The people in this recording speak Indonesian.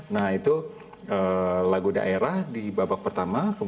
nah itu lagu daerah di babak pertama